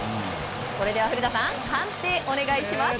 それでは古田さん鑑定お願いします。